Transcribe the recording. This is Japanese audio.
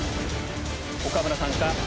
岡村さんか？